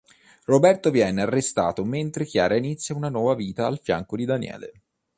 Roberto viene arrestato mentre Chiara inizia una nuova vita al fianco di Daniele.